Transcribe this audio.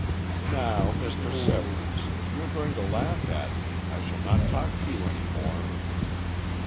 "Now, Mr. Severance, if you are going to laugh at me, I shall not talk to you any more."